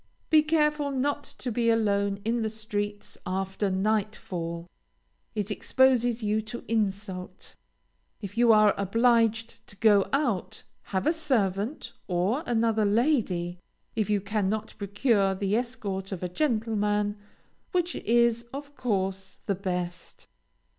Be careful not to be alone in the streets after night fall. It exposes you to insult. If you are obliged to go out, have a servant, or another lady, if you cannot procure the escort of a gentleman, which is, of course, the best.